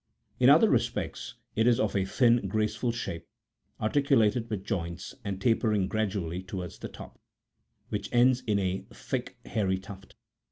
In other respects, it is of a thin, graceful shape, arti culated with joints, and tapering gradually towards the top, which ends in a thick, hairy tuft.